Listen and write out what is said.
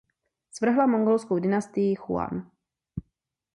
Svrhla Mongolskou dynastii Jüan.